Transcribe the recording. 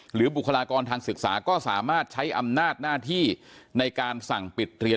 บุคลากรทางศึกษาก็สามารถใช้อำนาจหน้าที่ในการสั่งปิดเรียน